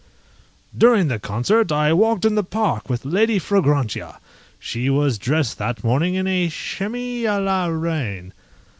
_ During the concert I walked in the park with Lady Fragrantia: she was dressed that morning in a chemise à la reine.